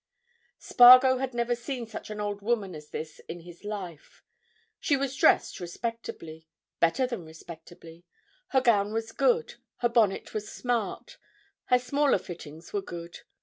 Spargo had never seen such an old woman as this in his life. She was dressed respectably, better than respectably. Her gown was good; her bonnet was smart; her smaller fittings were good.